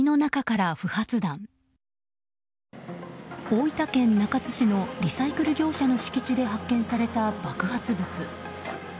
大分県中津市のリサイクル業者の敷地で発見された爆発物。